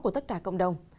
của tất cả cộng đồng